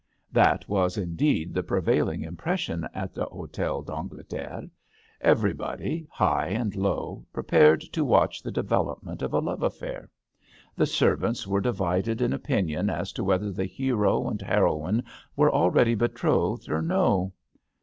That was, indeed, the prevail ing impression at the Hdtel THE h6t£L D'ANGLETERRE. 25 d'Angleterre. Everybody, high and low, prepared to watch the development of a love affair. The servants were divided in opinion as to whether the hero and heroine were already betrothed or no.